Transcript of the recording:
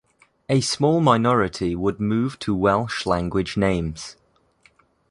A small minority would move to Welsh language names.